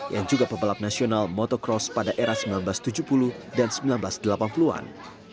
yang juga pebalap nasional motocross pada era seribu sembilan ratus tujuh puluh dan seribu sembilan ratus delapan puluh an